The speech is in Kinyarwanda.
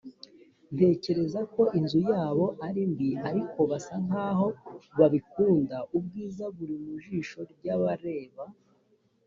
ntekereza ko inzu yabo ari mbi, ariko basa nkaho babikunda. ubwiza buri mu jisho ry'abareba. ”